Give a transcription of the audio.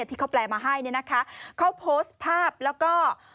ที่เขาแปลมาให้เนี่ยนะคะเขาโพสต์ภาพแล้วก็